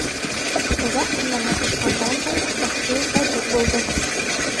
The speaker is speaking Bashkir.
Оҙаҡ ҡына маташҡандан һуң, бассейн әҙер булды.